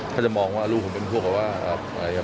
ถ้าจะมองว่าลูกผมแก้ขับแล้ว